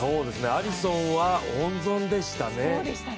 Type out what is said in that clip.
アリソンは温存でしたね。